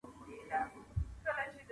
داسي نه كيږي چي اوونـــۍ كې ګـــورم